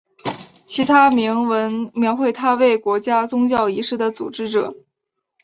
其他铭文描绘他为国家宗教仪式的组织者。